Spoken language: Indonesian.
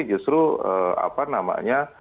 justru apa namanya